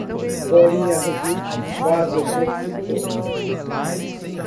bolinha, arrebite, vasoconstrictor